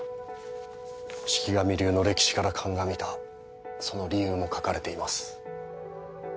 四鬼神流の歴史から鑑みたその理由も書かれています